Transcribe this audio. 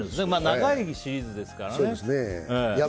長いシリーズですからね。